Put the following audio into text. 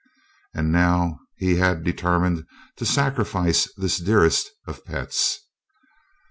And now he had determined to sacrifice this dearest of pets.